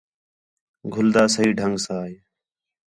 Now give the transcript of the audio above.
گھلدا صحیح ڈھنگ ساں